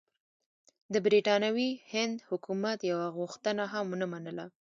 د برټانوي هند حکومت یوه غوښتنه هم ونه منله.